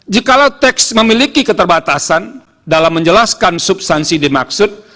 jikalau teks memiliki keterbatasan dalam menjelaskan substansi dimaksud